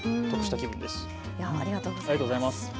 ありがとうございます。